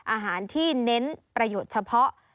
อาหารที่เน้นประโยชน์เฉพาะ